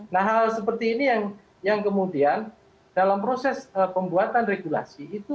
nah hal seperti ini yang kemudian dalam proses pembuatan regulasi itu